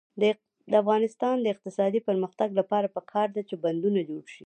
د افغانستان د اقتصادي پرمختګ لپاره پکار ده چې بندونه جوړ شي.